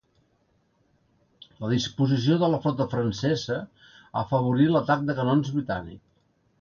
La disposició de la flota francesa afavorí l'atac de canons britànic.